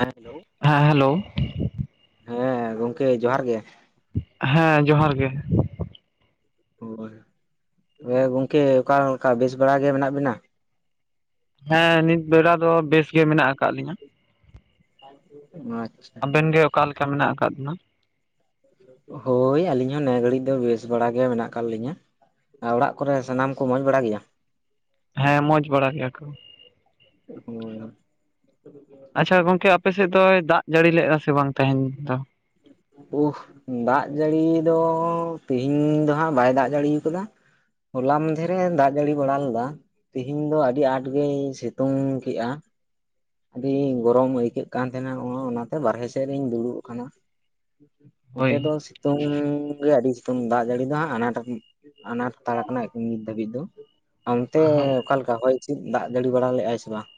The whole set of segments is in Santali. ᱦᱮᱞᱳ ᱦᱮᱸ ᱦᱮᱞᱳ ᱦᱮᱸ ᱜᱚᱝᱠᱮ ᱡᱚᱸᱦᱟᱨ ᱜᱮ᱾ ᱦᱮᱸ ᱡᱚᱸᱦᱟᱨ ᱜᱮ᱾ ᱦᱳᱭ ᱛᱚᱵᱮ ᱜᱚᱝᱠᱮ ᱚᱠᱟᱞᱮᱠᱟ ᱵᱮᱥ ᱵᱟᱲᱟ ᱜᱮ ᱢᱮᱱᱟᱜ ᱵᱤᱱᱟ? ᱦᱮᱸ ᱱᱤᱛ ᱵᱮᱲᱟ ᱫᱚ ᱵᱮᱥ ᱜᱮ ᱢᱮᱱᱟᱜ ᱟᱠᱟᱫ ᱞᱤᱧᱟᱹ᱾ ᱟᱪᱪᱷᱟ᱾ ᱟᱵᱮᱱ ᱜᱮ ᱚᱠᱟ ᱞᱮᱠᱟ ᱢᱮᱱᱟᱜ ᱟᱠᱟᱫ ᱵᱤᱱᱟ? ᱦᱳᱭ ᱟᱞᱤᱧ ᱦᱚᱸ ᱱᱮ ᱜᱷᱟᱹᱲᱤᱡ ᱫᱚ ᱵᱮᱥ ᱵᱟᱲᱟ ᱜᱮ ᱢᱮᱱᱟᱜ ᱠᱟᱫ ᱞᱤᱧᱟ ᱟ ᱚᱲᱟᱜ ᱠᱚᱨᱮ ᱥᱟᱱᱟᱢ ᱠᱚ ᱳ ᱢᱚᱸᱡᱽ ᱵᱟᱲᱟ ᱜᱮᱭᱟ? ᱦᱮᱸ ᱢᱚᱸᱡᱽ ᱵᱟᱲᱟ ᱜᱮᱭᱟ ᱠᱚ᱾ ᱦᱳᱭ ᱦᱳᱭ᱾ ᱟᱪᱪᱷᱟ ᱜᱚᱝᱠᱮ ᱟᱯᱮ ᱥᱮᱫ ᱫᱚᱭ ᱫᱟᱜ ᱡᱟᱹᱲᱤ ᱞᱮᱫᱼᱟ ᱥᱮ ᱵᱟᱝ ᱛᱟᱦᱮᱧ ᱫᱚ? ᱩᱸᱦ ᱫᱟᱜ ᱡᱟᱹᱲᱤ ᱫᱚ ᱛᱤᱦᱤᱧ ᱫᱚ ᱦᱟᱸᱜ ᱵᱟᱭ ᱫᱟᱜ ᱡᱟᱲᱤ ᱠᱟᱫᱟ᱾ ᱦᱚᱞᱟ ᱢᱟᱸᱫᱷᱮᱨᱼᱮ ᱫᱟᱜ ᱡᱟᱹᱲᱤ ᱵᱟᱲᱟ ᱞᱮᱫᱟ᱾ ᱛᱤᱦᱤᱧ ᱫᱚ ᱟᱹᱰᱤ ᱟᱸᱴ ᱜᱮᱭ ᱥᱤᱛᱩᱝ ᱠᱮᱜᱼᱟ᱾ ᱟᱹᱰᱤ ᱜᱚᱨᱚᱢ ᱟᱹᱭᱠᱟᱹᱜ ᱠᱟᱱ ᱛᱟᱦᱮᱱᱟ ᱦᱚᱸ ᱚᱸᱭ ᱚᱱᱟᱛᱮ ᱵᱟᱦᱨᱮ ᱥᱮᱫ ᱨᱤᱧ ᱫᱩᱲᱩᱵ ᱟᱠᱟᱱᱟ᱾ ᱦᱳᱭ ᱱᱚᱛᱮ ᱫᱚ ᱥᱤᱛᱩᱝ ᱜᱮ ᱟᱹᱰᱤ ᱥᱤᱛᱩᱝ ᱫᱟᱜ ᱡᱟᱹᱲᱤ ᱫᱚ ᱦᱟᱸᱜ ᱟᱱᱟᱴ ᱜᱮ᱾ ᱟᱱᱟᱴ ᱦᱟᱛᱟᱲ ᱠᱚᱱᱟ ᱱᱤᱛ ᱫᱷᱟᱹᱵᱤᱡ ᱫᱚ᱾ ᱟᱨ ᱚᱱᱛᱮ ᱚᱠᱟᱞᱮᱠᱟ ᱦᱚᱭ ᱦᱤᱥᱤᱫ ᱫᱟᱜ ᱡᱟᱹᱲᱤ ᱵᱟᱲᱟ ᱞᱮᱼᱟᱭ ᱥᱮ ᱵᱟᱝ?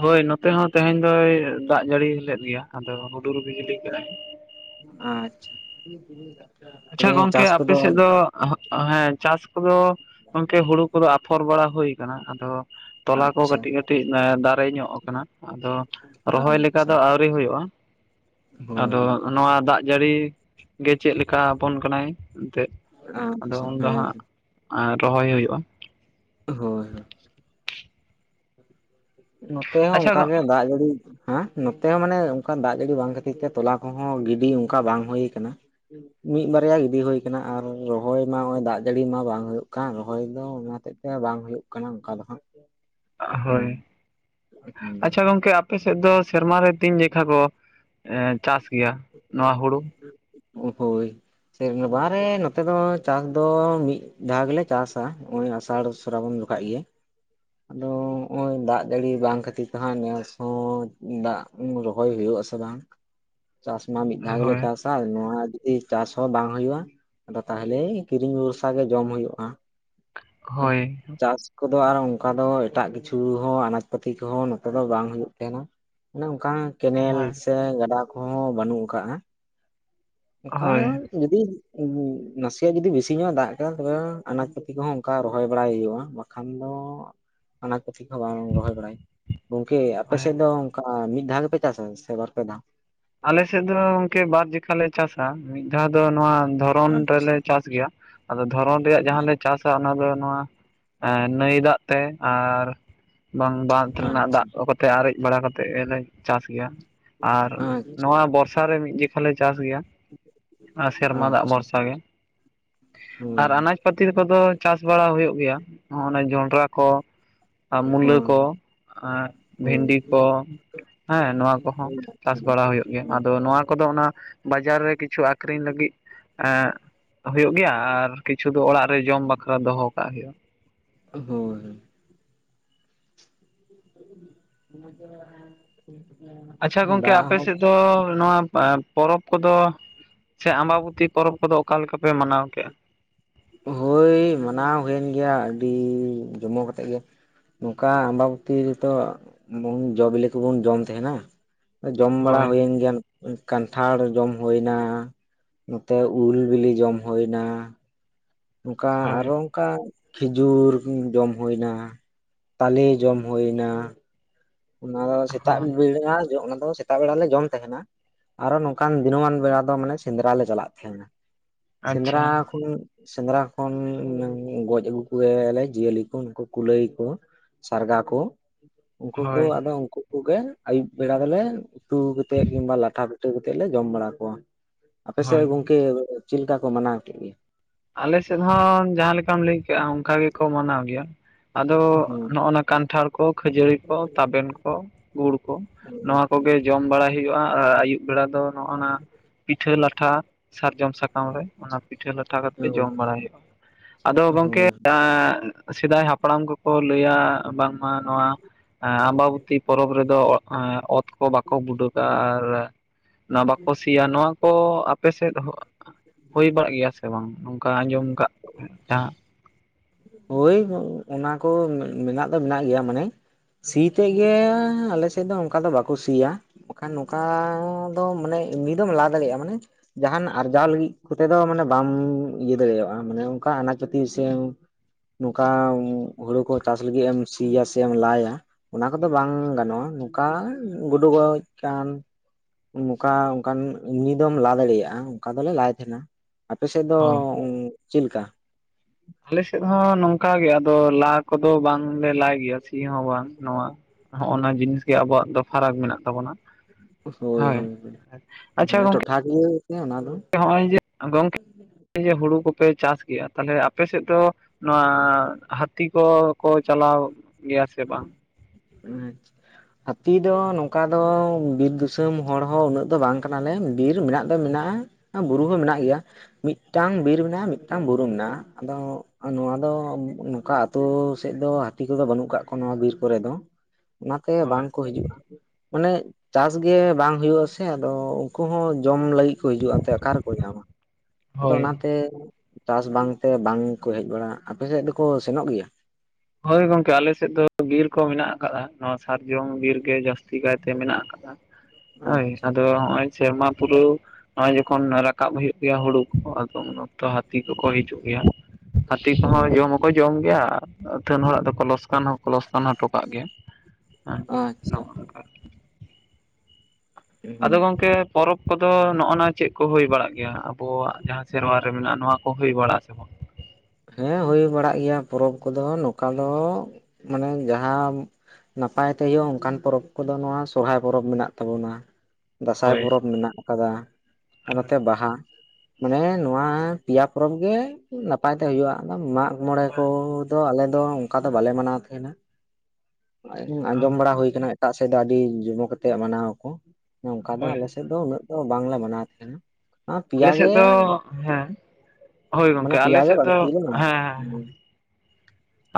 ᱦᱳᱭ ᱱᱚᱛᱮ ᱦᱚᱸ ᱛᱮᱦᱮᱧ ᱫᱚᱭ ᱫᱟᱜ ᱡᱟᱹᱲᱤ ᱞᱮᱫ ᱜᱮᱭᱟ ᱟᱫᱚ ᱦᱩᱰᱩᱨ ᱵᱤᱡᱽᱞᱤ ᱠᱮᱫᱼᱟᱭ᱾ ᱟᱪᱪᱷᱟ᱾ ᱟᱪᱪᱷᱟ ᱛᱚᱵᱮ ᱜᱚᱝᱠᱮ ᱪᱟᱥ ᱟᱯᱮ ᱠᱚᱫᱚ ᱥᱮᱫ ᱫᱚ ᱚᱦᱚᱸᱜ ᱦᱮᱸ ᱪᱟᱥ ᱠᱚᱫᱚ ᱚᱱᱛᱮ ᱦᱩᱲᱩ ᱠᱚᱫᱚ ᱟᱯᱷᱚᱨ ᱵᱟᱲᱟ ᱦᱩᱭ ᱠᱟᱱᱟ ᱟᱫᱚ ᱛᱚᱞᱟ ᱠᱚ ᱟᱪᱪᱷᱟ ᱠᱟᱹᱴᱤᱡ ᱠᱟᱹᱴᱤᱡ ᱫᱟᱨᱮ ᱧᱚᱜ ᱟᱠᱟᱱᱟ ᱟᱫᱚ ᱨᱚᱦᱚᱭ ᱞᱮᱠᱟ ᱟᱪᱪᱷᱟ ᱫᱚ ᱟᱣ ᱟᱹᱣᱨᱤ ᱦᱩᱭᱩᱜᱼᱟ᱾ ᱟᱫᱚ ᱦᱳᱭ ᱱᱚᱣᱟ ᱫᱟᱜ ᱡᱟᱹᱲᱤ ᱜᱮ ᱪᱮᱫ ᱞᱮᱠᱟ ᱠᱟ ᱟᱵᱚᱱ ᱠᱟᱱᱟᱭ ᱮᱱᱛᱮᱫ ᱟᱫᱚ ᱟᱪᱪᱷᱟ ᱩᱱ ᱫᱚ ᱦᱮᱸ ᱦᱟᱸᱜ ᱨᱚᱦᱚᱭ ᱦᱩᱭᱩᱜᱼᱟ᱾ ᱦᱳᱭ ᱦᱳᱭ᱾ ᱱᱚᱛᱮ ᱦᱚᱸ ᱟᱪᱪᱷᱟ ᱚᱱᱠᱟ ᱜᱮ ᱫᱟᱜ ᱡᱟᱹᱲᱤ ᱦᱟᱸ ᱱᱚᱛᱮ ᱦᱚᱸ ᱢᱟᱱᱮ ᱚᱱᱠᱟ ᱫᱟᱜ ᱡᱟᱹᱲᱤ ᱵᱟᱝ ᱠᱷᱟᱹᱛᱤᱨ ᱛᱮ ᱛᱚᱞᱟ ᱠᱚᱦᱚᱸ ᱜᱤᱰᱤ ᱚᱱᱠᱟ ᱵᱟᱝ ᱦᱩᱭ ᱠᱟᱱᱟ᱾ ᱢᱤᱫ ᱵᱟᱨᱭᱟ ᱜᱤᱫᱤ ᱦᱳᱭ ᱠᱟᱱᱟ ᱟᱨ ᱨᱚᱦᱚᱭ ᱢᱟ ᱱᱚᱜᱚᱭ ᱫᱟᱜ ᱡᱟᱹᱲᱤ ᱢᱟ ᱵᱟᱝ ᱦᱩᱭᱩᱜ ᱠᱟᱱ ᱨᱚᱦᱚᱭ ᱫᱚ ᱚᱱᱟ ᱦᱮᱛᱮᱛ ᱥᱮ ᱵᱟᱝ ᱦᱩᱭᱩᱜ ᱠᱟᱱᱟ ᱚᱱᱠᱟ ᱫᱚ ᱦᱟᱸᱜ᱾ ᱦᱩᱸ ᱦᱳᱭ ᱦᱩᱸ ᱟᱪᱪᱷᱟ ᱜᱚᱢᱠᱮ ᱟᱯᱮ ᱥᱮᱫ ᱫᱚ ᱥᱮᱨᱢᱟ ᱨᱮ ᱛᱤᱱ ᱡᱮᱠᱷᱟ ᱠᱚ ᱮᱸ ᱪᱟᱥ ᱜᱮᱭᱟ ᱱᱚᱣᱟ ᱦᱩᱲᱩ? ᱳ ᱦᱳᱭ᱾ ᱥᱮᱨᱱᱢᱵᱟ ᱨᱮ ᱱᱚᱛᱮ ᱫᱚ ᱪᱟᱥ ᱫᱚ ᱢᱤᱫ ᱫᱷᱟᱣ ᱜᱮᱞᱮ ᱪᱟᱥᱟ ᱱᱚᱜᱚᱭ ᱟᱥᱟᱲ ᱥᱨᱟᱵᱚᱱ᱾ ᱠᱟᱡ ᱟᱹᱭᱟ ᱟᱫᱚ ᱦᱚᱸᱜ ᱚᱭ ᱫᱟᱜ ᱡᱟᱹᱲᱤ ᱵᱟᱝ ᱠᱷᱟᱹᱛᱤᱨ ᱛᱮᱦᱟᱸᱜ ᱱᱮᱥ ᱦᱚᱸ ᱫᱟᱜ ᱨᱚᱦᱚᱭ ᱦᱩᱭᱩᱜ ᱟᱥᱮ ᱵᱟᱝ ᱪᱟᱥᱢᱟ ᱢᱤᱫ ᱫᱷᱟᱣ ᱜᱮᱞᱮ ᱦᱳᱭ ᱪᱟᱥᱟ ᱱᱚᱣᱟ ᱟᱨ ᱡᱩᱫᱤ ᱪᱟᱥ ᱦᱚᱸ ᱵᱟᱝ ᱦᱩᱭᱩᱜᱼᱟ ᱟᱫᱚ ᱛᱟᱦᱚᱞᱮ ᱠᱤᱨᱤᱧ ᱵᱷᱚᱨᱥᱟ ᱜᱮ ᱡᱚᱢ ᱦᱩᱭᱩᱜᱼᱟ᱾ ᱟᱸᱪ ᱦᱳᱭ ᱪᱟᱥ ᱠᱚᱫᱚ ᱟᱨ ᱚᱱᱠᱟ ᱫᱚ ᱮᱴᱟᱜ ᱠᱤᱪᱷᱩ ᱦᱚᱸ ᱟᱱᱟᱡ ᱯᱟᱹᱛᱤ ᱠᱚᱦᱚᱸ ᱱᱚᱛᱮ ᱫᱚ ᱵᱟᱝ ᱦᱩᱭᱩᱜ ᱛᱟᱦᱮᱸᱱᱟ᱾ ᱚᱱᱮ ᱚᱱᱠᱟ ᱠᱮᱱᱮᱞ ᱦᱳᱭ ᱥᱮ ᱜᱟᱰᱟ ᱠᱚᱦᱚᱸ ᱵᱟᱹᱱᱩᱜ ᱟᱠᱟᱜᱼᱟ᱾ ᱮᱠᱟᱞ ᱦᱳᱭ ᱡᱩᱫᱤ ᱱᱟᱥᱮᱭᱟᱜ ᱡᱩᱫᱤ ᱵᱤᱥᱤ ᱧᱚᱜ ᱮ ᱫᱟᱜ ᱠᱮᱫᱟ ᱛᱚᱵᱮ ᱟᱱᱟᱡ ᱯᱟᱹᱛᱤ ᱠᱚᱦᱚᱸ ᱚᱱᱠᱟ ᱨᱚᱦᱚᱭ ᱵᱟᱲᱟᱭ ᱦᱩᱭᱩᱜᱼᱟ ᱠᱷᱟᱱ ᱫᱚ ᱚᱱᱟᱡ ᱯᱟᱛᱤ ᱠᱚᱦᱚᱸ ᱵᱟᱝ ᱨᱚᱦᱚᱭ ᱵᱟᱲᱟᱭ ᱜᱚᱝᱠᱮ ᱦᱳᱭ ᱟᱯᱮᱥᱮᱫ ᱫᱚ ᱚᱱᱠᱟ ᱢᱤᱫ ᱫᱷᱟᱣ ᱜᱮᱯᱮ ᱪᱟᱥᱟ ᱥᱮ ᱵᱟᱨᱯᱮ ᱫᱷᱟᱣ ᱟᱞᱮᱥᱮᱫ ᱫᱚ ᱜᱚᱝᱠᱮ ᱵᱟᱨ ᱡᱮᱠᱷᱟ ᱞᱮ ᱪᱟᱥᱟ ᱢᱤᱫ ᱫᱷᱟᱣ ᱫᱚ ᱱᱚᱣᱟ ᱫᱷᱚ ᱨᱚᱱ ᱟᱪᱪᱷᱟ ᱨᱮᱞᱮ ᱪᱟᱥ ᱜᱮᱭᱟ ᱟᱫᱚ ᱫᱷᱚᱨᱚᱱ ᱨᱮᱭᱟᱜ ᱡᱟᱦᱟᱸᱞᱮ ᱪᱟᱥᱟ ᱚᱱᱟ ᱫᱚ ᱱᱚᱣᱟ ᱱᱟᱹᱭ ᱫᱟᱜ ᱛᱮ ᱟᱨ ᱵᱟᱝ ᱵᱟᱸᱫᱷ ᱨᱮᱱᱟᱜ ᱟᱪᱪᱷᱟ ᱫᱟᱜ ᱠᱚ ᱠᱟᱛᱮ ᱟᱨᱮᱡ ᱵᱟᱲᱟ ᱠᱟᱛᱮᱫ ᱜᱮᱞᱮ ᱪᱟᱥ ᱜᱮᱭᱟ ᱟᱨ ᱟᱪᱪᱷᱟ ᱵᱚᱨᱥᱟᱨ ᱨᱮ ᱢᱤᱫ ᱡᱮᱠᱷᱟ ᱞᱮ ᱪᱟᱥ ᱜᱮᱭᱟ ᱟᱨ ᱥᱮᱨᱢᱟ ᱫᱟᱜ ᱟᱪᱪᱷᱟ ᱵᱷᱚᱨᱥᱟ ᱜᱮ ᱦᱳᱭ ᱟᱨ ᱟᱱᱟᱡᱽ ᱯᱟᱹᱛᱤ ᱠᱚᱫᱚ ᱪᱟᱥ ᱵᱟᱲᱟ ᱦᱩᱭᱩᱜ ᱜᱮᱭᱟᱜᱼ ᱦᱚᱸᱜ ᱚᱱᱮ ᱡᱚᱸᱰᱨᱟ ᱠᱚ ᱟᱨ ᱢᱩᱞᱟᱹ ᱦᱳᱭ ᱠᱚ ᱟᱨ ᱦᱳᱭ ᱵᱷᱮᱱᱰᱤ ᱠᱚ ᱦᱮᱸ ᱱᱚᱣᱟ ᱠᱚᱦᱚᱸ ᱪᱟᱥ ᱵᱟᱲᱟ ᱦᱩᱭᱩᱜᱼᱟ ᱛᱚ ᱱᱚᱣᱟ ᱠᱚᱫᱚ ᱚᱱᱟ ᱵᱟᱡᱟᱨ ᱨᱮ ᱠᱤᱪᱷᱩ ᱟᱹᱠᱷᱨᱤᱧ ᱞᱟᱹᱜᱤᱫ ᱮ ᱦᱩᱭᱩᱜ ᱜᱮᱭᱟ ᱟᱨ ᱠᱤᱪᱷᱩ ᱫᱚ ᱚᱲᱟᱜ ᱨᱮ ᱡᱚᱢ ᱵᱟᱠᱷᱨᱟ ᱫᱚᱦᱚ ᱠᱟᱜ ᱦᱩᱭᱩᱜᱼᱟ ᱦᱳᱭ ᱦᱳᱭ ' [inaudible] ᱟᱪᱪᱷᱟ ᱜᱚᱝᱠᱮ ᱟᱯᱮ ᱥᱮᱫ ᱫᱚ ᱱᱚᱣᱟ ᱯᱚᱨᱚᱵᱽ ᱠᱚᱫᱚ ᱥᱮ ᱟᱢᱵᱟᱵᱚᱛᱤ ᱯᱚᱨᱚᱵᱽ ᱠᱚᱫᱚ ᱚᱠᱟ ᱞᱮᱠᱟ ᱯᱮ ᱢᱟᱱᱟᱣ ᱠᱮᱜᱼᱟ ᱦᱳᱭ ᱢᱟᱱᱟᱣ ᱦᱩᱭᱮᱱ ᱜᱮᱭᱟ ᱟᱹᱰᱤ ᱡᱚᱢᱚᱠ ᱠᱟᱛᱮᱫ ᱜᱮ ᱱᱚᱝᱠᱟ ᱟᱢᱵᱟᱵᱚᱛᱤ ᱨᱮᱛᱚ ᱡᱚ ᱵᱤᱞᱤ ᱠᱚᱵᱚᱱ ᱡᱚᱢ ᱛᱟᱦᱮᱱᱟ ᱡᱚᱢ ᱵᱟᱲᱟ ᱦᱳᱭ ᱦᱩᱭ ᱜᱮᱭᱟ ᱠᱟᱱᱴᱷᱟᱲ ᱡᱚᱢ ᱦᱩᱭ ᱮᱱᱟ ᱱᱚᱛᱮ ᱩᱞ ᱵᱤᱞᱤ ᱡᱚᱢ ᱦᱩᱭ ᱮᱱᱟ ᱱᱚᱝᱠᱟ ᱦᱳᱭ ᱟᱨᱚ ᱱᱚᱱᱠᱟ ᱠᱷᱮᱡᱩᱨ ᱡᱚᱢ ᱦᱩᱭ ᱮᱱᱟ ᱛᱟᱞᱮ ᱡᱚᱢ ᱦᱩᱭ ᱮᱱᱟ ᱚᱱᱟ ᱫᱚ ᱥᱮᱛᱟᱜ ᱦᱳᱭ ᱵᱮᱲᱟ ᱚᱱᱟ ᱫᱚ ᱥᱮᱛᱟᱜ ᱵᱮᱲᱟ ᱞᱮ ᱡᱚᱢ ᱛᱟᱦᱮᱱᱟ ᱟᱨᱚ ᱱᱚᱝᱠᱟᱱ ᱫᱤᱱᱹᱢᱟᱱ ᱵᱮᱲᱟ ᱫᱚ ᱢᱟᱱᱮ ᱥᱮᱸᱫᱽᱨᱟ ᱞᱮ ᱪᱟᱞᱟᱜ ᱛᱟᱦᱮᱱᱟ ᱟᱪᱪᱷᱟ ᱥᱮᱸᱫᱽᱨᱟ ᱠᱷᱚᱱ ᱥᱮᱸᱫᱽᱨᱟ ᱠᱷᱚᱱ ᱜᱚᱡ ᱟᱹᱜᱩ ᱠᱚᱭᱟᱞᱮ ᱡᱤᱭᱟᱹᱞᱤ ᱠᱚ ᱩᱱᱠᱩ ᱠᱩᱞᱟᱹᱭᱟ ᱠᱚ ᱥᱟᱨᱜᱟ ᱠᱚ ᱩᱱ ᱠᱩ ᱦᱳᱭ ᱟᱫᱚ ᱩᱱᱠᱩ ᱠᱚᱜᱮ ᱟᱹᱭᱩᱵ ᱵᱮᱲᱟ ᱫᱚᱞᱮ ᱩᱛᱩᱛᱮᱫ ᱠᱤᱱᱵᱟ ᱞᱟᱴᱷᱟ ᱪᱷᱩᱴᱟᱹᱣ ᱠᱟᱛᱮᱫ ᱞᱮ ᱡᱚᱢ ᱵᱟᱲᱟ ᱠᱚᱣᱟ ᱟᱯᱮᱥᱮᱫ ᱦᱳᱭ ᱜᱚᱝᱠᱮ ᱪᱮᱫ ᱞᱮᱠᱟ ᱠᱚ ᱢᱟᱱᱟᱣ ᱠᱮᱫ ᱜᱮᱭᱟ ᱟᱞᱮᱥᱮᱫ ᱦᱚᱸ ᱡᱟᱦᱟᱸ ᱞᱮᱠᱟᱢ ᱞᱟᱹᱭᱠᱟᱜᱼᱟ ᱚᱱᱠᱟ ᱜᱮᱠᱚ ᱢᱟᱱᱟᱣ ᱜᱮᱭᱟ ᱟᱫᱚ ᱱᱚᱜᱚ ᱱᱟ ᱠᱟᱱᱴᱷᱟᱲ ᱠᱚ ᱠᱷᱟᱹᱡᱟᱹᱲᱤ ᱠᱚ ᱛᱟᱵᱮᱱ ᱠᱚ ᱜᱩᱲ ᱠᱚ ᱱᱚᱣᱟ ᱠᱚᱜᱮ ᱡᱚᱢ ᱵᱟᱲᱟᱭ ᱦᱩᱭᱩᱜᱼᱟ ᱟᱹᱭᱩᱵ ᱵᱮᱲᱟ ᱫᱚ ᱱᱚᱜᱼ ᱱᱟ ᱯᱤᱴᱷᱟᱹ ᱞᱟᱴᱷᱟ ᱥᱟᱨᱡᱚᱢ ᱥᱟᱠᱟᱢ ᱨᱮ ᱚᱱᱟ ᱯᱤᱴᱷᱟᱹ ᱞᱟᱴᱷᱟ ᱠᱟ ᱛᱮ ᱡᱚᱢ ᱵᱟᱲᱟᱭ ᱦᱩᱭᱩᱜᱼᱟ ᱟᱫᱚ ᱜᱚᱝᱠᱮ ᱥᱮᱫᱟᱭ ᱦᱟᱯᱲᱟᱢ ᱠᱚᱠᱚ ᱞᱟᱹᱭ-ᱟ ᱵᱟᱝᱢᱟ ᱱᱚᱣᱟ ᱟᱢᱵᱟᱵᱚᱛᱤ ᱯᱚᱨᱚᱵᱽ ᱨᱮᱫᱚ ᱚᱛ ᱠᱚ ᱵᱟᱠᱚ ᱵᱩᱰᱟᱹᱜᱟ ᱟᱨ ᱱᱚᱣᱟ ᱵᱟᱠᱚ ᱥᱤᱭᱟ ᱱᱚᱣᱟ ᱠᱚ ᱟᱯᱮ ᱥᱮᱫ ᱦᱩᱭ ᱵᱟᱲᱟᱜ ᱜᱮᱭᱟ ᱥᱮ ᱵᱟᱝ ᱱᱚᱝᱠᱟ ᱟᱸᱡᱚᱢ ᱠᱟᱫ ᱡᱟᱦᱟᱸ ᱦᱳᱭ ᱚᱱᱟ ᱠᱚ ᱢᱮᱱᱟᱜ ᱫᱚ ᱢᱮᱱᱟᱜ ᱜᱮᱭᱟ ᱢᱟᱱᱮ ᱥᱤ ᱛᱮᱫ ᱜᱮ ᱟᱞᱮᱥᱮᱫ ᱫᱚ ᱚᱱᱠᱟ ᱫᱚ ᱵᱟᱠᱚ ᱥᱤᱭᱟ ᱵᱟᱠᱷᱟᱱ ᱱᱚᱝᱠᱟ ᱫᱚ ᱢᱟᱱᱮ ᱮᱢᱱᱤ ᱫᱚᱢ ᱞᱟ ᱫᱟᱲᱮᱭᱟᱜᱼᱟ ᱢᱟᱱᱮ ᱡᱟᱦᱟᱱ ᱟᱨᱡᱟᱣ ᱞᱟᱹᱜᱤᱫ ᱠᱚᱛᱮ ᱫᱚ ᱢᱟᱱᱮ ᱵᱟᱢ ᱤᱭᱟᱹ ᱫᱟᱲᱮᱭᱟᱜᱼᱟ ᱢᱟᱱᱮ ᱚᱱᱠᱟ ᱟᱱᱟᱡ ᱯᱟᱛᱤ ᱥᱮ ᱱᱚᱝᱠᱟ ᱦᱩᱲᱩ ᱠᱚ ᱪᱟᱥ ᱞᱟᱹᱜᱤᱫ ᱮᱢ ᱥᱤᱭᱟ ᱥᱮ ᱮᱢ ᱞᱟᱭ-ᱟ᱾ ᱚᱱᱟ ᱠᱚᱫᱚ ᱵᱟᱝ ᱜᱟᱱᱚᱜᱼᱟ ᱱᱚᱝᱠᱟ ᱜᱩᱰᱩ ᱜᱚᱡ ᱠᱟᱱ ᱱᱚᱝᱠᱟ ᱚᱱᱠᱟᱱ ᱤᱢᱤᱱᱤ ᱫᱚ ᱞᱟ ᱫᱟᱲᱤᱭᱟᱜᱼᱟ ᱚᱱᱠᱟ ᱫᱚᱞᱮ ᱞᱟᱭ ᱛᱟᱦᱮᱸᱱᱟ ᱟᱯᱮ ᱥᱮᱫ ᱫᱚ ᱦᱳᱭ ᱪᱮᱫ ᱞᱮᱠᱟ ᱟᱞᱮᱥᱮᱫ ᱦᱚᱸ ᱱᱚᱝᱠᱟᱜ ᱜᱮ ᱟᱫᱚ ᱞᱟ ᱠᱚᱫᱚ ᱵᱟᱝᱞᱮ ᱞᱟᱭ ᱜᱮᱭᱟ ᱥᱤ ᱦᱚᱸ ᱵᱟᱝ ᱱᱚᱣᱟ ᱦᱚᱜᱼᱚ ᱱᱚᱣᱟ ᱡᱤᱱᱤᱥ ᱜᱮ ᱟᱵᱚᱣᱟᱜ ᱫᱚ ᱯᱷᱟᱨᱟᱠ ᱢᱮᱱᱟᱜ ᱾ ᱛᱟᱵᱚᱱᱟ ᱦᱳᱭ ᱟᱪᱪᱷᱟ ᱜᱚᱝᱠᱮ [unintelligible] ᱚᱱᱟ ᱫᱚ ᱦᱚᱸᱜᱼᱚᱭ ᱡᱮ ᱜᱚᱝᱠᱮ ᱡᱮ ᱦᱩᱲᱩ ᱠᱚᱯᱮ ᱪᱟᱥ ᱜᱮᱭᱟ ᱛᱟᱦᱚᱞᱮ ᱟᱯᱮ ᱥᱮᱫ ᱫᱚ ᱱᱚᱣᱟ ᱦᱟᱹᱛᱤ ᱠᱚᱠᱚ ᱪᱟᱞᱟᱣ ᱜᱮᱭᱟ ᱥᱮ ᱵᱟᱝ? ᱟᱪᱪᱷᱟ, ᱦᱟᱹᱛᱤ ᱫᱚ ᱱᱚᱝᱠᱟ ᱫᱚ ᱵᱤᱨ ᱫᱤᱥᱚᱢ ᱦᱚᱲ ᱦᱚᱸ ᱩᱱᱟᱹᱜ ᱫᱚ ᱵᱟᱝ ᱠᱟᱱᱟᱞᱮ ᱵᱤᱨ ᱢᱮᱱᱟᱜ ᱢᱮᱱᱟᱜᱼᱟ ᱵᱩᱨᱩ ᱦᱚᱸ ᱢᱮᱱᱟᱜ ᱜᱮᱭᱟ ᱢᱤᱫᱴᱟᱝ ᱵᱤᱨ ᱢᱮᱱᱟᱜᱼᱟ ᱢᱤᱫᱴᱟᱝ ᱵᱩᱨᱩ ᱢᱮᱱᱟᱜᱼᱟ ᱾ ᱟᱫᱚ ᱱᱚᱣᱟ ᱫᱚ ᱱᱚᱝᱠᱟ ᱟᱛᱳ ᱥᱮᱫ ᱫᱚ ᱦᱟᱹᱛᱤ ᱠᱚᱫᱚ ᱵᱟᱹᱱᱩᱜ ᱠᱟᱜ ᱱᱚᱣᱟ ᱵᱤᱨ ᱠᱚᱨᱮ ᱫᱚ ᱚᱱᱟᱛᱮ ᱦᱳᱭ ᱵᱟᱝ ᱠᱚ ᱦᱤᱡᱩᱜᱼᱟ, ᱢᱟᱱᱮ ᱪᱟᱥ ᱜᱮ ᱵᱟᱝ ᱦᱩᱭᱩᱜ ᱟᱥᱮ ᱟᱫᱚ ᱩᱱᱠᱩ ᱦᱚᱸ ᱡᱚᱢ ᱞᱟᱹᱜᱤᱫ ᱠᱚ ᱦᱤᱡᱩᱜᱼᱟ ᱛᱚ ᱚᱠᱟ ᱨᱮᱠᱚ ᱧᱟᱢ-ᱟ? ᱟᱫᱚ ᱦᱳᱭ ᱚᱱᱟᱛᱮ ᱪᱟᱥ ᱵᱟᱝᱛᱮ ᱵᱟᱝᱠᱚ ᱦᱮᱡ ᱵᱟᱲᱟᱜᱼᱟ, ᱟᱯᱮ ᱥᱮᱫ ᱫᱚᱠᱚ ᱥᱮᱱᱚᱜ ᱜᱮᱭᱟ? ᱦᱳᱭ ᱜᱚᱝᱠᱮ ᱟᱞᱮᱥᱮᱫ ᱫᱚ ᱵᱤᱨ ᱠᱚ ᱢᱮᱱᱟᱜ ᱟᱠᱟᱜ-ᱟ ᱾ ᱱᱚᱣᱟ ᱥᱟᱨᱡᱚᱢ ᱵᱤᱨ ᱜᱮ ᱡᱟᱹᱥᱛᱤ ᱠᱟᱭᱛᱮ ᱢᱮᱱᱟᱜ ᱟᱠᱟᱫᱟ ᱦᱳᱭ ᱟᱪᱪᱷᱟ ᱟᱫᱚ ᱱᱚᱜ-ᱚᱭ ᱥᱮᱨᱢᱟ ᱯᱩᱨᱟᱹᱭ ᱱᱚᱜ-ᱚᱭ ᱡᱚᱠᱷᱚᱱ ᱨᱟᱠᱟᱵ ᱦᱩᱭᱩᱜ ᱜᱮᱭᱟ ᱦᱩᱲᱩ ᱠᱚ ᱟᱫᱚ ᱩᱱ ᱛᱚ ᱦᱟᱹᱛᱤ ᱠᱚᱠᱚ ᱦᱤᱡᱩᱜ ᱜᱮᱭᱟ ᱦᱟᱹᱛᱤ ᱦᱩᱸ ᱠᱚᱦᱚᱸ ᱡᱚᱢ ᱦᱚᱸᱠᱚ ᱡᱚᱢ ᱜᱮᱭᱟ, ᱟᱹᱛᱷᱟᱹᱱ ᱦᱚᱲᱟᱜ ᱫᱚ ᱠᱚ ᱞᱚᱥᱠᱟᱱ ᱦᱚᱸ ᱠᱚ ᱞᱚᱥᱠᱟᱱ ᱦᱚᱴᱚᱠᱟᱜ ᱜᱮᱭᱟ ᱦᱮᱸ ᱟᱪᱪᱷᱟ ᱱᱚᱜ-ᱚᱝᱠᱟ ᱦᱩᱸ ᱟᱫᱚ ᱜᱚᱝᱠᱮ ᱯᱚᱨᱚᱵᱽ ᱠᱚᱫᱚ ᱱᱚᱜ-ᱚ ᱱᱚᱣᱟ ᱪᱮᱫ ᱠᱚ ᱦᱩᱭ ᱵᱟᱲᱟᱜ ᱜᱮᱭᱟ? ᱟᱵᱚᱣᱟᱜ ᱡᱟᱦᱟᱸ ᱥᱮᱨᱣᱟ ᱨᱮ ᱢᱮᱱᱟᱜ-ᱟ ᱱᱚᱣᱟ ᱠᱚ ᱦᱩᱭ ᱵᱟᱲᱟᱜ ᱟᱥᱮ ᱵᱟᱝ? ᱦᱮᱸ ᱦᱩᱭ ᱵᱟᱲᱟᱜ ᱜᱮᱭᱟ ᱯᱚᱨᱚᱵᱽ ᱠᱚᱫᱚ ᱱᱚᱝᱠᱟ ᱫᱚ ᱢᱟᱱᱮ ᱡᱟᱦᱟᱸ ᱱᱟᱯᱟᱭ ᱛᱮ ᱦᱳᱭᱳᱜ-ᱟ ᱚᱱᱠᱟᱱ ᱯᱚᱨᱚᱵᱽ ᱠᱚᱫᱚ ᱱᱚᱣᱟ ᱥᱚᱨᱦᱟᱭ ᱯᱚᱨᱚᱵᱽ ᱢᱮᱱᱟᱜ ᱛᱟᱵᱚᱱᱟ ᱾ ᱫᱟᱸᱥᱟᱭ ᱦᱳᱭ ᱯᱚᱨᱚᱵ ᱢᱮᱱᱟᱜ ᱟᱠᱟᱫᱟ ᱟᱨ ᱱᱚᱛᱮ ᱵᱟᱦᱟ ᱾ ᱢᱟᱱᱮ ᱱᱚᱣᱟ ᱯᱮᱭᱟ ᱯᱚᱨᱚᱵᱽ ᱜᱮ ᱱᱟᱯᱟᱭ ᱛᱮ ᱦᱩᱭᱩᱜ-ᱟ ᱢᱟᱜ ᱢᱚᱬᱮ ᱠᱚ ᱫᱚ ᱟᱞᱮ ᱫᱚ ᱚᱱᱠᱟ ᱫᱚ ᱵᱟᱞᱮ ᱢᱟᱱᱟᱣ ᱛᱟᱦᱮᱸᱱᱟ ᱾ ᱟᱸᱡᱚᱢ ᱵᱟᱲᱟ ᱦᱩᱭ ᱟᱠᱟᱱᱟ ᱮᱴᱟᱜ ᱥᱮᱫ ᱫᱚ ᱟᱹᱰᱤ ᱡᱚᱢᱚᱹᱠ ᱟᱛᱮᱜ ᱢᱟᱱᱟᱣ ᱟᱠᱚ, ᱱᱚᱝᱠᱟ ᱫᱚ ᱦᱳᱭ ᱟᱞᱮᱥᱮᱫ ᱫᱚ ᱩᱱᱟᱹᱜ ᱫᱚ ᱵᱟᱝᱞᱮ ᱢᱟᱱᱟᱣ ᱛᱟᱦᱮᱸᱱᱟ ᱾ ᱟᱸ ᱯᱤᱭᱟ ᱟᱞᱮ ᱥᱮᱫ ᱜᱮ ᱫᱚ ᱦᱮᱸ ᱦᱳᱭ ᱢᱟᱱᱮ ᱜᱚᱝᱠᱮ ᱟᱞᱮ ᱯᱮᱭᱟ ᱜᱮ ᱥᱮᱫ ᱫᱚ ᱵᱟᱹᱲᱛᱤ ᱜᱮ [unintelligible] ᱢᱮᱱᱟᱜᱼᱟ ᱾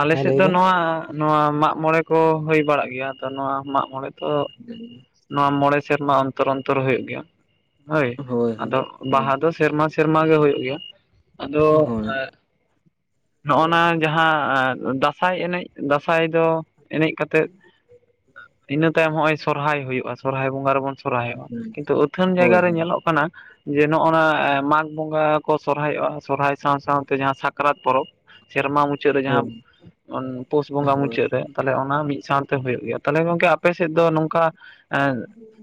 ᱟᱞᱮᱥᱮᱫ ᱫᱚ ᱱᱚᱣᱟ ᱱᱚᱣᱟ ᱢᱟᱜᱢᱚᱬᱮ ᱠᱚ ᱦᱩᱭ ᱵᱟᱲᱟᱜ ᱜᱮᱭᱟ ᱛᱚ ᱱᱚᱣᱟ ᱢᱟᱜ ᱢᱚᱬᱮ ᱛᱚ ᱱᱚᱣᱟ ᱢᱚᱬᱮ ᱥᱮᱨᱢᱟ ᱚᱱᱛᱚᱨ ᱚᱱᱛᱚᱨ ᱦᱩᱭᱩᱜ ᱜᱮᱭᱟ ᱾ ᱦᱳᱭ ᱟᱫᱚ ᱵᱟᱦᱟ ᱫᱚ ᱥᱮᱨᱢᱟ ᱥᱮᱨᱢᱟ ᱜᱮ ᱦᱩᱭᱩᱜ ᱜᱮᱭᱟ ᱟᱫᱚ ᱦᱳᱭ ᱮᱸᱜ ᱱᱚᱜ-ᱚᱭ ᱱᱟ ᱡᱟᱦᱟᱸ ᱫᱟᱸᱥᱟᱭ ᱮᱱᱮᱡ ᱫᱟᱸᱥᱟᱭ ᱫᱚ ᱮᱱᱮᱡ ᱠᱟᱛᱮᱫ ᱤᱱᱟᱹ ᱛᱟᱭᱚᱢ ᱦᱚᱸᱜ-ᱚᱭ ᱥᱚᱨᱦᱟᱭ ᱦᱩᱭᱩᱜ-ᱟ ᱥᱚᱨᱦᱟᱭ ᱵᱚᱸᱜᱟ ᱨᱮᱵᱚᱱ ᱥᱚᱨᱦᱟᱭᱚᱜ-ᱟ, ᱠᱤᱱᱛᱩ ᱟᱹᱛᱷᱟᱹᱱ ᱦᱳᱭ ᱡᱟᱭᱜᱟ ᱨᱮ ᱧᱮᱞᱚᱜ ᱠᱟᱱᱟ ᱡᱮ ᱱᱚᱜ-ᱚ ᱱᱟ ᱢᱟᱜᱽ ᱵᱚᱸᱜᱟ ᱠᱚ ᱥᱚᱨᱦᱟᱭᱚᱜ-ᱟ ᱥᱚᱨᱦᱟᱭ ᱥᱟᱶ ᱥᱟᱶᱛᱮ ᱡᱟᱦᱟᱸ ᱥᱟᱠᱨᱟᱛ ᱯᱚᱨᱚᱵ ᱥᱮᱨᱢᱟ ᱢᱩᱪᱟᱹᱫ ᱨᱮ ᱡᱟᱦᱟᱸ ᱦᱳᱭ ᱯᱩᱥ ᱵᱚᱸᱜᱟ ᱦᱳᱭ ᱢᱩᱪᱟᱹᱫ ᱨᱮ, ᱛᱟᱦᱞᱮ ᱚᱱᱟ ᱢᱤᱫ ᱥᱟᱶᱛᱮ ᱦᱩᱭᱩᱜ ᱜᱮᱭᱟ, ᱛᱟᱦᱚᱞᱮ ᱜᱚᱝᱠᱮ ᱟᱯᱮ ᱥᱮᱫ ᱫᱚ ᱱᱚᱝᱠᱟ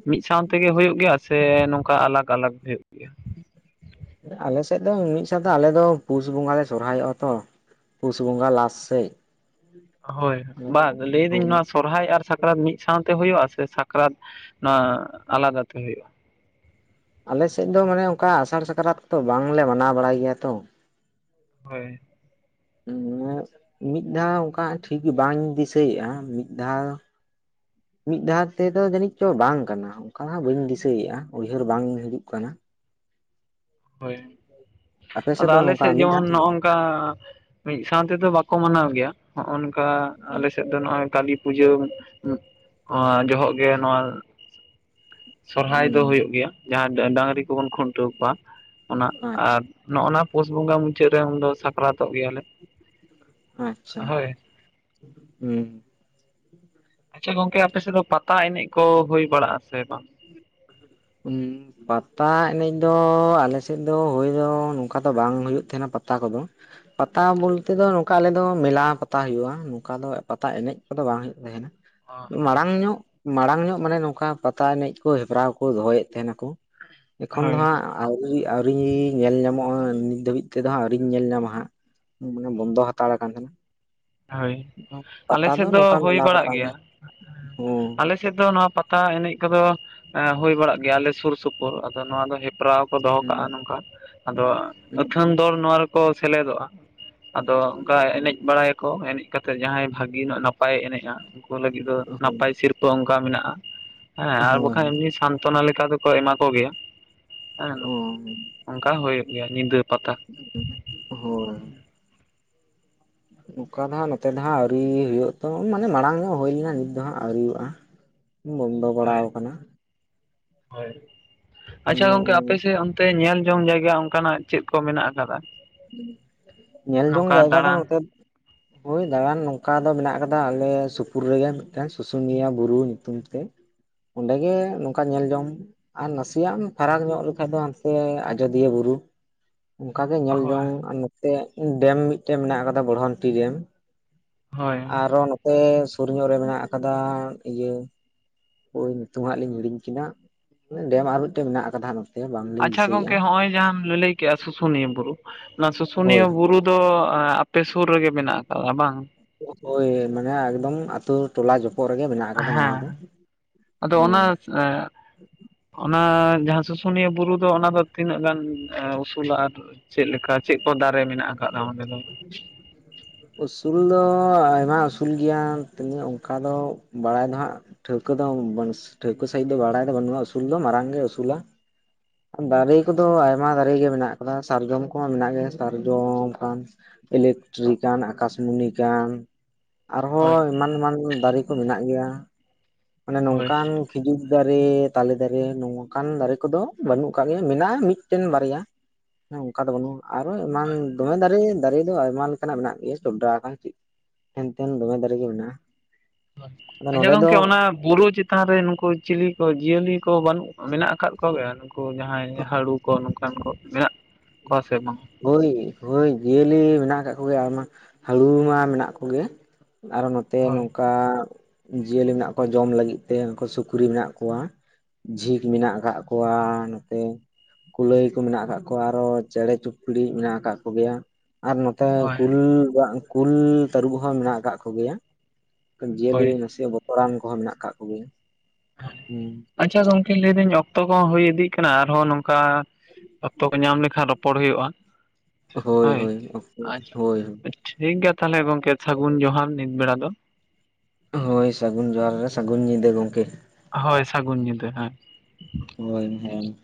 ᱢᱤᱫ ᱥᱟᱶ ᱛᱮᱜᱮ ᱦᱩᱭᱩᱜ ᱜᱮᱭᱟ ᱥᱮ ᱱᱚᱝᱠᱟ ᱟᱞᱟᱜᱽ ᱟᱞᱟᱜᱽ ᱦᱩᱭᱩᱜ ᱜᱮᱭᱟ? ᱟᱞᱮ ᱥᱮᱫ ᱫᱚ ᱢᱤᱫ ᱥᱟᱶᱛᱮ ᱟᱞᱮ ᱫᱚ ᱯᱩᱥ ᱵᱚᱸᱜᱟ ᱞᱮ ᱥᱚᱨᱦᱟᱭᱚᱜ-ᱟ ᱛᱚ, ᱯᱩᱥ ᱵᱚᱸᱜᱟ ᱞᱟᱥ ᱥᱮᱫ ᱾ ᱦᱳᱭ ᱵᱟᱝ ᱞᱟᱹᱭᱫᱟᱹᱧ ᱱᱚᱣᱟ ᱥᱚᱨᱦᱟᱭ ᱟᱨ ᱥᱟ ᱥᱟᱠᱨᱟᱛ ᱢᱤᱫ ᱥᱟᱶᱛᱮ ᱦᱩᱭᱩᱜ-ᱟ ᱥᱮ ᱥᱟᱠᱨᱟᱛ ᱱᱚᱣᱟ ᱟᱞᱟᱫᱟ ᱛᱮ ᱦᱩᱭᱩᱜ-ᱟ? ᱟᱞᱮᱥᱮᱫ ᱫᱚ ᱢᱟᱱᱮ ᱚᱱᱠᱟ ᱟᱥᱟᱲ ᱥᱟᱠᱨᱟᱛ ᱠᱚᱫᱚ ᱵᱟᱝᱞᱮ ᱢᱟᱱᱟᱣ ᱵᱟᱲᱟᱭ ᱜᱮᱭᱟ ᱛᱚ ᱾ ᱦᱳᱭ ᱢᱤᱫ ᱫᱷᱟᱣ ᱚᱱᱠᱟ ᱴᱷᱤᱠ ᱵᱟᱧ ᱫᱤᱥᱟᱹᱭᱮᱫ-ᱟ ᱢᱤᱫ ᱫᱷᱟᱣ ᱢᱤᱫ ᱫᱷᱟᱣ ᱛᱮᱫᱚ ᱡᱟᱹᱱᱤᱡ ᱪᱚ ᱵᱟᱝ ᱠᱟᱱᱟ ᱚᱱᱠᱟ ᱢᱟ ᱵᱟᱹᱧ ᱫᱤᱥᱟᱹᱭᱮᱫ-ᱟ ᱩᱭᱦᱟᱹᱨ ᱵᱟᱝ ᱦᱤᱡᱩᱜ ᱠᱟᱱᱟ ᱾ ᱦᱳᱭ ᱟᱯᱮ ᱟᱫᱚ ᱫᱚ ᱟᱞᱮ ᱱᱚᱝᱠᱟ ᱥᱮᱫ ᱢᱤᱫ ᱫᱷᱟᱣ ᱡᱮᱢᱚᱱ ᱛᱮᱜᱮ ᱱᱚᱜᱚᱝ ᱚᱱᱠᱟ ᱢᱤᱫ ᱥᱟᱶ ᱛᱮᱫᱚ ᱵᱟᱠᱚ ᱢᱟᱱᱟᱣ ᱜᱮᱭᱟ ᱦᱚᱜ-ᱚᱱᱠᱟ ᱟᱞᱮ ᱥᱮᱫ ᱫᱚ ᱱᱚᱜᱼᱚᱭ ᱠᱟᱹᱞᱤ ᱯᱩᱡᱟᱹ ᱡᱚᱦᱚᱜ ᱜᱮ ᱱᱚᱣᱟ ᱥᱚᱨᱦᱟᱭ ᱦᱩᱸ ᱫᱚ ᱦᱩᱭᱩᱜ ᱜᱮᱭᱟ ᱡᱟᱦᱟᱸ ᱰᱟᱹᱟᱝᱨᱤ ᱠᱚᱵᱚᱱ ᱠᱷᱩᱱᱴᱟᱹᱣ ᱠᱚᱣᱟ ᱚᱱᱟ ᱟᱪᱪᱷᱟ ᱟᱨ ᱱᱚᱜᱼᱱᱟ ᱯᱩᱥ ᱵᱚᱸᱜᱟ ᱢᱩᱪᱟᱹᱫ ᱨᱮ ᱩᱱ ᱫᱚ ᱥᱟᱠᱨᱟᱛᱚᱜ ᱜᱮᱭᱟᱞᱮ ᱟᱪᱪᱷᱟ ᱦᱳᱭ ᱦᱩᱸ ᱟᱪᱪᱷᱟ ᱜᱚᱝᱠᱮ ᱟᱯᱮ ᱥᱮᱫ ᱫᱚ ᱯᱟᱛᱟ ᱮᱱᱮᱡ ᱠᱚ ᱦᱩᱭ ᱵᱟᱲᱟᱜᱼᱟ ᱥᱮ ᱵᱟᱝ ᱦᱩᱸ ᱯᱟᱛᱟ ᱮᱱᱮᱡ ᱫᱚ ᱟᱞᱮᱥᱮᱫ ᱫᱚ ᱦᱩᱭ ᱫᱚ ᱱᱚᱝᱠᱟ ᱫᱚ ᱵᱟᱝ ᱦᱩᱭᱩᱜ ᱛᱟᱦᱮᱸᱱᱟ ᱯᱟᱛᱟ ᱠᱚᱫᱚ ᱯᱟᱛᱟ ᱵᱚᱞᱛᱮ ᱫᱚ ᱱᱚᱝᱠᱟ ᱟᱞᱮᱫᱚ ᱢᱮᱞᱟ ᱯᱟᱛᱟ ᱦᱩᱭᱩᱜᱼᱟ ᱱᱚᱝᱠᱟ ᱫᱚ ᱯᱟᱛᱟ ᱮᱱᱮᱡ ᱠᱚᱫᱚ ᱵᱟᱝ ᱦᱩᱭᱩᱜᱟ ᱦᱮᱸ ᱢᱟᱲᱟᱝ ᱧᱚᱜ ᱢᱟᱲᱟᱝ ᱧᱚᱜ ᱢᱟᱱᱮ ᱱᱚᱝᱠᱟ ᱯᱟᱛᱟ ᱮᱱᱮᱡ ᱠᱚ ᱦᱮᱯᱨᱟᱣ ᱠᱚ ᱫᱚᱦᱚᱭᱮᱫ ᱛᱟᱦᱮᱱᱟᱠᱚ ᱮᱠᱷᱚᱱ ᱫᱚ ᱦᱳᱭ ᱦᱟᱸᱜ ᱟᱹᱣᱨᱤ ᱟᱹᱣᱨᱤ ᱧᱮᱞ ᱧᱟᱢᱚᱜᱼᱟ ᱱᱤᱛ ᱫᱷᱟᱹᱵᱤᱡ ᱛᱮᱫᱚ ᱦᱟᱸᱜ ᱟᱹᱣᱨᱤᱧ ᱧᱮᱞ ᱧᱟᱢᱟ ᱦᱟᱸᱜ ᱢᱟᱱᱮ ᱵᱚᱱᱫᱚ ᱦᱟᱛᱟᱲᱮ ᱠᱟᱱ ᱛᱟᱦᱮᱱᱟ ᱦᱳᱭ ᱟᱞᱮ ᱯᱟᱛᱟ ᱥᱮᱫ ᱫᱚ ᱱᱚᱝᱠᱟ ᱦᱩᱭ ᱢᱮᱞᱟ ᱵᱟᱲᱟᱜ ᱯᱟᱛᱟ ᱜᱮ ᱜᱮᱭᱟ ᱟᱞᱮ ᱦᱩᱸ ᱟᱞᱮ ᱥᱮᱫ ᱫᱚ ᱱᱚᱣᱟ ᱯᱟᱛᱟ ᱮᱱᱮᱡ ᱠᱚᱫᱚ ᱦᱩᱭ ᱵᱟᱲᱟᱜ ᱜᱮᱭᱟ ᱟᱞᱮ ᱥᱩᱨ ᱥᱩᱯᱩᱨ ᱟᱫᱚ ᱱᱚᱣᱟ ᱫᱚ ᱦᱮᱯᱨᱟᱣ ᱠᱚ ᱫᱚᱦᱚ ᱠᱟᱜᱼᱟ ᱱᱚᱝᱠᱟ ᱟᱫᱚ ᱦᱳᱭ ᱟᱹᱛᱷᱟᱹᱱ ᱫᱚᱞ ᱱᱚᱣᱟ ᱨᱮᱠᱚ ᱥᱮᱞᱮᱫᱚᱜᱼᱟ ᱟᱫᱚ ᱚᱱᱠᱟ ᱮᱱᱮᱡ ᱵᱟᱲᱟᱭᱟᱠᱚ ᱮᱱᱮᱡ ᱠᱟᱛᱮ ᱡᱟᱦᱟᱸᱭ ᱵᱷᱟᱹᱜᱤ ᱧᱚᱜ ᱱᱟᱯᱟᱭᱮ ᱮᱱᱮᱡᱼᱟ ᱞᱟᱹᱜᱤᱫ ᱫᱚ ᱱᱟᱯᱟᱭ ᱥᱤᱨᱯᱟᱹ ᱚᱱᱠᱟ ᱢᱮᱱᱟᱜᱼᱟ ᱦᱮᱸ ᱟᱨ ᱦᱳᱭ ᱵᱟᱠᱷᱟᱱ ᱩᱱᱤ ᱥᱟᱱ ᱡᱚᱛᱚᱱᱟ ᱞᱮᱠᱟ ᱫᱚᱠᱚ ᱮᱢᱟ ᱠᱚ ᱜᱮᱭᱟ ᱦᱮᱸ ᱚᱱᱠᱟ ᱦᱩᱭᱩᱜ ᱜᱮᱭᱟ ᱧᱤᱫᱟᱹ ᱯᱟᱛᱟ ᱦᱳᱭ ᱱᱚᱝᱠᱟ ᱫᱚ ᱦᱟᱸᱟᱜ ᱱᱚᱛᱮ ᱫᱚ ᱦᱟᱸᱟᱜ ᱟᱹᱣᱨᱤ ᱦᱩᱭᱩᱜᱼᱟ ᱛᱚ ᱢᱟᱱᱮ ᱢᱟᱲᱟᱝ ᱧᱚᱜ ᱦᱩᱭ ᱞᱮᱱᱟ ᱱᱤᱛ ᱫᱚ ᱦᱟᱸᱜ ᱟᱹᱣᱨᱤ ᱦᱩᱭᱩᱜᱼᱟ᱾ [unintelligible] [unintelligible] ᱦᱳᱭ, ᱦᱳᱭ ᱟᱪᱪᱷᱟ ᱜᱚᱝᱠᱮ ᱟᱯᱮ ᱥᱮᱫ ᱚᱱᱛ ᱛᱮ ᱧᱮᱞ ᱡᱚᱝ ᱡᱟᱭᱜᱟ ᱚᱱᱠᱟᱱᱟᱜ ᱪᱮᱫ ᱠᱚ ᱢᱮᱱᱟᱜ ᱟᱠᱟᱫᱟ ᱧᱮᱞ ᱡᱚᱝ ᱱᱚᱝᱠᱟ ᱡᱟᱭᱜᱟ ᱫᱚ ᱫᱟᱬᱟᱱ ᱱᱚᱛᱮ ᱦᱳᱭ ᱫᱟᱬᱟᱱ ᱱᱚᱝᱠᱟ ᱫᱚ ᱢᱮᱱᱟᱜ ᱟᱠᱟᱫᱟ ᱟᱞᱮ ᱥᱩᱯᱩᱨ ᱨᱮᱜᱮ ᱢᱤᱫᱴᱮᱱ ᱥᱩᱥᱩᱱᱤᱭᱟᱹ ᱵᱩᱨᱩ ᱧᱩᱛᱩᱢ ᱛᱮ ᱚᱸᱰᱮᱜᱮ ᱱᱚᱝᱠᱟ ᱧᱮᱞ ᱡᱚᱝ ᱟᱨ ᱱᱟᱥᱤᱭᱟᱜ ᱮᱢ ᱯᱷᱟᱨᱟᱠ ᱧᱚᱜ ᱞᱮᱠᱷᱟᱡ ᱫᱚ ᱦᱟᱱᱛᱮ ᱟᱡᱚᱫᱤᱭᱟᱹ ᱵᱩᱨᱩ ᱚᱱᱠᱟᱜᱮ ᱧᱮᱞ ᱦᱳᱭ ᱡᱚᱝ ᱟᱨ ᱱᱚᱛᱮ ᱰᱮᱢ ᱢᱤᱫᱴᱮᱡ ᱢᱮᱱᱟᱜ ᱟᱠᱟᱫᱟ ᱵᱚᱲᱦᱚᱱᱴᱤ ᱰᱮᱢ ᱦᱳᱭ ᱟᱨᱚ ᱥᱮ ᱥᱩᱨ ᱧᱚᱜ ᱨᱮ ᱢᱮᱱᱟᱜ ᱟᱠᱟᱫᱟ ᱤᱭᱟᱹ ᱦᱳᱭ ᱧᱤᱛᱩᱢ ᱦᱟᱸᱜ ᱞᱤᱧ ᱦᱤᱲᱤᱧ ᱠᱮᱫᱟ ᱰᱮᱢ ᱟᱨ ᱢᱤᱫᱴᱮᱱ ᱢᱮᱱᱟᱜ ᱟᱠᱟᱫᱟ ᱵᱟᱝᱞᱤᱧ ᱟᱪᱪᱷᱟ ᱫᱤᱥᱟᱹᱭᱮᱫᱼᱟ ᱜᱚᱝᱠᱮ ᱦᱚᱸᱜᱼᱚᱭ ᱡᱟᱦᱟᱸᱢ ᱞᱟᱹᱞᱟᱹᱭ ᱠᱮᱜᱼᱟ ᱥᱩᱥᱩᱱᱤᱭᱟᱹ ᱵᱩᱨᱩ ᱚᱱᱟ ᱦᱳᱭ ᱥᱩᱥᱩᱱᱤᱭᱟᱹ ᱵᱩᱨᱩ ᱫᱚ ᱟᱯᱮ ᱥᱩᱨ ᱨᱮᱜᱮ ᱢᱮᱱᱟᱜ ᱟᱠᱟᱫᱼᱟ ᱵᱟᱝ? ᱦᱳᱭ ᱢᱟᱱᱮ ᱮᱠᱫᱚᱢ ᱟᱛᱳ ᱴᱚᱞᱟ ᱡᱚᱯ ᱯᱚᱨᱮ ᱜᱮ ᱢᱮᱱᱟᱜ ᱟᱠᱟᱫᱟ ᱱᱚᱣᱟ ᱫᱚ ᱦᱩ ᱮᱸᱜ ᱚᱱᱟ ᱡᱟᱦᱟᱸ ᱥᱩᱥᱩᱱᱤᱭᱟᱹ ᱵᱩᱨᱩ ᱫᱚ ᱚᱱᱟ ᱫᱚ ᱛᱤᱱᱟᱹᱜ ᱜᱟᱱ ᱩᱥᱩᱞᱟ ᱟᱨ ᱪᱮᱫ ᱞᱮᱠᱟ ᱪᱮᱫ ᱠᱚ ᱫᱟᱨᱮ ᱢᱮᱱᱟᱜ ᱟᱠᱟᱫᱼᱟ ᱚᱸᱰᱮ ᱫᱚ? ᱸ [inaudible] ᱩᱥᱩᱞ ᱫᱚ ᱟᱭᱢᱟ ᱩᱥᱩᱞ ᱜᱮᱭᱟ ᱛᱚᱵᱮ ᱚᱱᱠᱟ ᱫᱚ ᱵᱟᱲᱟᱭ ᱫᱚ ᱦᱟᱜ, ᱴᱷᱟᱹᱣᱠᱟᱹ ᱫᱚ ᱴᱷᱟᱹᱣᱠᱟᱹ ᱥᱟᱺᱤᱡ ᱫᱚ ᱵᱟᱲᱟᱭ ᱫᱚ ᱵᱟᱹᱱᱩᱜᱼᱟ ᱩᱥᱩᱞ ᱫᱚ ᱢᱟᱨᱟᱝ ᱜᱮ ᱩᱥᱩᱞᱟ᱾ ᱫᱟᱨᱤ ᱠᱚᱫᱚ ᱟᱭᱢᱟ ᱫᱟᱨᱤ ᱜᱮ ᱢᱮᱱᱟᱜ ᱟᱠᱟᱫᱟ ᱥᱟᱨᱡᱚᱢ ᱠᱚᱦᱚᱸ ᱢᱮᱱᱟᱜ ᱜᱮᱭᱟ ᱥᱟᱨᱡᱚᱢ ᱠᱟᱱ ᱤᱞᱮᱠᱴᱨᱤᱠᱟᱱ, ᱟᱠᱟᱥᱢᱩᱱᱤ ᱠᱟᱱ, ᱦᱳᱭ ᱟᱨᱦᱚᱸ ᱮᱢᱟᱱ ᱮᱢᱟᱱ ᱫᱟᱨᱤ ᱠᱚ ᱢᱮᱱᱟᱜ ᱜᱮᱭᱟ ᱢᱟᱱᱮ ᱦᱳᱭ ᱱᱚᱝᱠᱟᱱ ᱠᱷᱤᱡᱩᱨ ᱫᱟᱨᱤ, ᱛᱟᱞᱮ ᱫᱟᱨᱤ, ᱱᱚᱝᱠᱟᱱ ᱫᱟᱨᱤ ᱠᱚᱫᱚ ᱵᱟᱹᱱᱩᱜ ᱟᱠᱟᱫ ᱜᱮᱭᱟ ᱢᱮᱱᱟᱜᱼᱟ ᱢᱤᱫᱴᱮᱱ ᱵᱟᱨᱭᱟ ᱦᱮᱸ ᱚᱱᱠᱟ ᱫᱚ ᱵᱟᱹᱱᱩᱜᱼᱟ ᱟᱨᱚ ᱮᱢᱟᱱ ᱫᱚᱢᱮ ᱫᱟᱨᱤ ᱫᱟᱨᱤ ᱫᱚ ᱟᱭᱢᱟ ᱞᱮᱠᱟᱱᱟᱜ ᱢᱮᱱᱟᱜ ᱜᱮᱭᱟ ᱪᱚᱰᱨᱟ ᱟᱠᱟᱱ ᱪᱮᱫ ᱦᱮᱱᱛᱮᱱ ᱫᱚᱢᱮ ᱫᱟᱨᱤ ᱜᱮ ᱢᱮᱱᱟᱜᱼᱟ ᱟᱫᱚ ᱟᱪᱪᱷᱟ ᱱᱚᱰᱮ ᱫᱚ ᱜᱚᱝᱠᱮ ᱚᱱᱟ ᱵᱩᱨᱩ ᱪᱮᱛᱟᱱ ᱨᱮ ᱱᱩᱠᱩ ᱪᱤᱞᱤ ᱠᱚ ᱡᱤᱭᱟᱹᱞᱤ ᱠᱚ ᱵᱟᱹᱱᱩᱜ ᱢᱮᱱᱟᱜ ᱟᱠᱟᱫ ᱠᱚ ᱜᱮᱭᱟ ᱱᱩᱠᱩ ᱡᱟᱦᱟᱸᱭ ᱦᱟᱹᱬᱩ ᱠᱚ ᱱᱚᱝᱠᱟᱱ ᱠᱚ ᱢᱮᱱᱟᱜ ᱠᱚᱣᱟ ᱥᱮ ᱵᱟᱝ? ᱦᱳᱭ ᱦᱳᱭ ᱡᱤᱭᱟᱹᱞᱤ ᱢᱮᱱᱟᱜ ᱟᱠᱟᱜ ᱠᱚ ᱜᱮᱭᱟ ᱟᱨᱢᱟ ᱦᱟᱹᱬᱩ ᱢᱟ ᱢᱮᱱᱟᱜ ᱠᱚᱜᱮ, ᱟᱨᱚ ᱱᱚᱛᱮ ᱦᱳᱭ ᱱᱚᱝᱠᱟ, ᱡᱤᱭᱟᱹᱞᱤ ᱢᱮᱱᱟᱜ ᱠᱚᱣᱟ ᱡᱚᱢ ᱞᱟᱹᱜᱤᱫ ᱛᱮ ᱩᱱᱠᱩ ᱥᱩᱠᱨᱤ ᱢᱮᱱᱟᱜ ᱠᱚᱣᱟ᱾ ᱡᱷᱤᱠ ᱢᱮᱱᱟᱜ ᱟᱠᱟᱜ ᱠᱚᱣᱟ, ᱱᱚᱛᱮ ᱠᱩᱞᱟᱹᱭ ᱠᱚ ᱢᱮᱱᱟᱜ ᱟᱠᱟᱜ ᱠᱚᱣᱟ, ᱛᱚ ᱪᱮᱬᱮ ᱪᱩᱯᱲᱤ ᱢᱮᱱᱟᱜ ᱟᱠᱟᱫ ᱠᱚ ᱜᱮᱭᱟ, ᱟᱨ ᱱᱚᱛᱮ ᱦᱳᱭ ᱠᱩᱞ ᱠᱩᱞ ᱛᱟᱹᱨᱩᱵ ᱦᱚᱸ ᱢᱮᱱᱟᱜ ᱟᱠᱟᱫ ᱠᱚ ᱜᱮᱭᱟ, ᱡᱤᱭᱟᱹᱞᱤ ᱦᱳᱭ ᱱᱟᱥᱮᱭᱟᱜ ᱵᱚ ᱛᱚᱨᱟᱱ ᱠᱚᱦᱚᱸ ᱢᱮᱱᱟᱜ ᱠᱟᱜ ᱠᱚ ᱜᱮᱭᱟ ᱦᱩᱸ᱾ ᱟᱪᱪᱷᱟ ᱜᱚᱢᱠᱮ ᱞᱟᱹᱭᱫᱟᱹᱧ ᱚᱠᱛᱚ ᱠᱚᱦᱚᱸ ᱦᱩᱭ ᱤᱫᱤᱜ ᱠᱟᱱᱟ ᱟᱨᱦᱚᱸ ᱱᱚᱝᱠᱟ ᱚᱠᱛᱚ ᱠᱚ ᱧᱟᱢ ᱞᱮᱠᱷᱟᱱ ᱨᱚ ᱯᱚᱲ ᱦᱩᱭᱩᱜ-ᱟ᱾ ᱦᱳᱭ ᱦᱳᱭ ᱦᱳᱭ ᱦᱳᱭ ᱴᱷᱤᱠ ᱜᱮᱭᱟ ᱛᱟᱦᱚᱞᱮ ᱜᱚᱝᱠᱮ ᱥᱟᱹᱜᱩᱱ ᱡᱚᱦᱟᱨ ᱱᱤᱛ ᱵᱮᱲᱟ ᱫᱚ᱾ ᱦᱳᱭ ᱥᱟᱹᱜᱩᱱ ᱡᱚᱦᱟᱨ ᱜᱮ ᱥᱟᱹᱜᱩᱱ ᱧᱤᱫᱟᱹ ᱜᱚᱝᱠᱮ᱾ ᱦᱳᱭ ᱥᱟᱹᱜᱩᱱ ᱧᱤᱫᱟᱹ ᱦᱮᱸ᱾ ᱦᱳᱭ ᱦᱳᱭ